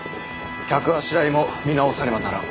客あしらいも見直さねばならん。